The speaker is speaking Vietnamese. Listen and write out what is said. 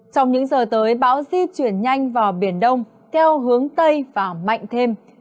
trong những giờ tới bão di chuyển nhanh vào biển đông theo hướng tây và mạnh thêm